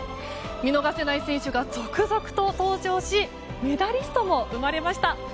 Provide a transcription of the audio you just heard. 見逃せない選手が続々と登場しメダリストも生まれました。